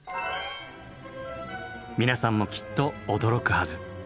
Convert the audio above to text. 皆さんもきっと驚くはず。